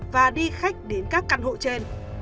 và đi khách đến các căn hộ trên